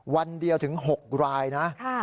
วันเดียวถึง๖รายนะครับค่ะ